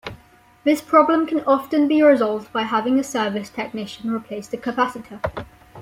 This problem can often be resolved by having a service technician replace the capacitor.